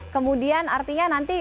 kemudian artinya nanti